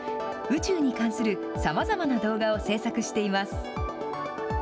宇宙に関するさまざまな動画を制作しています。